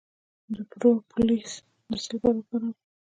د پروپولیس د څه لپاره وکاروم؟